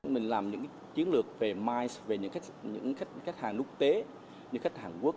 mình làm những chiến lược về miles về những khách hàng nước tế những khách hàng quốc